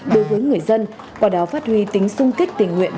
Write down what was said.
đối với người dân quả đáo phát huy tính sung kích tình nguyện